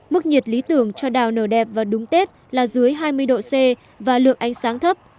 mức nhiệt lý tưởng cho đào nở đẹp và đúng tết là dưới hai mươi độ c và lượng ánh sáng thấp